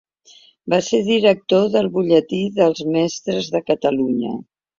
Va ser director del Butlletí dels Mestres de Catalunya.